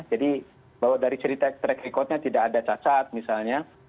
jadi bahwa dari cerita track recordnya tidak ada cacat misalnya